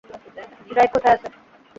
Drive কোথায় আছে?